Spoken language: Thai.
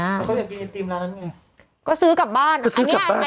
เขาอยากกินเอติมร้านไงก็ซื้อกลับบ้านก็ซื้อกลับบ้าน